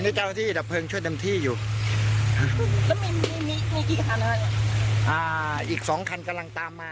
อีก๒คันกำลังตามมา